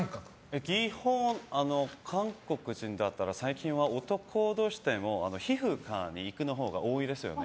基本、韓国人だったら最近は男としても皮膚科に行くのが多いですよね。